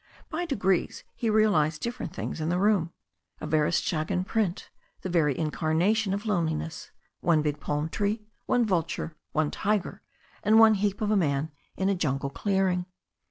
By degrees he realized different things in the room: a Verestchagin print, the very incarnation of lone liness — one big palm tree, one vulture, one tiger, and one heap of a man in a jungle clearing.